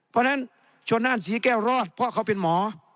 เพราะฉะนั้นสีแก้วรอดเพราะเขาเป็นหมอ